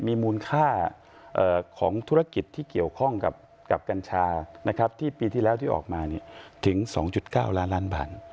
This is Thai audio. มีมูลค่าของธุรกิจที่เกี่ยวข้องกับกัญชาที่ปีที่แล้วที่ออกมาถึง๒๙ล้านล้านบาท